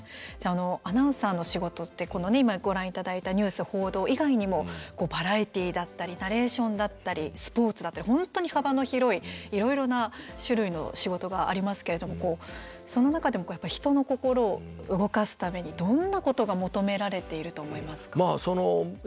アナウンサーの仕事ってこの今、ご覧いただいたニュース、報道以外にもバラエティーだったりナレーションだったりスポーツだったり本当に幅の広いいろいろな種類の仕事がありますけれどもその中でも人の心を動かすためにどんなことが求められていると思いますか？